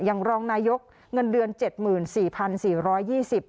ยังรองนายกเงินเดือนเจ็ดหมื่นสี่พันสี่ร้อยยี่สิบ